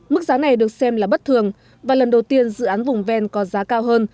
mức giá này được xem là bất thường và lần đầu tiên dự án vùng ven có giá cao hơn